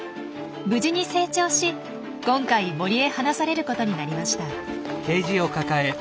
無事に成長し今回森へ放されることになりました。